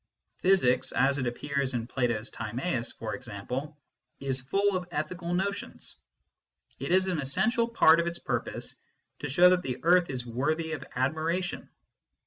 Physics, as it appears in Plato s Timaeus for example, is full of ethical notions : it is an essential part of its purpose to show that the earth is worthy of admiration.